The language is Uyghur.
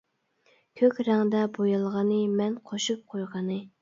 كۆك رەڭدە بويالغىنى مەن قوشۇپ قويغىنى.